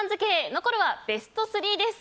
残るはベスト３です。